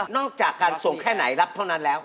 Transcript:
อกจากการส่งแค่ไหนรับเท่านั้นแล้ว